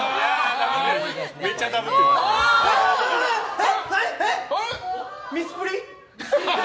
えっ、ミスプリ？